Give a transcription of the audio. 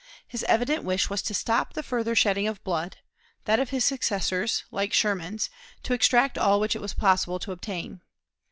His evident wish was to stop the further shedding of blood; that of his successors, like Sherman's, to extract all which it was possible to obtain.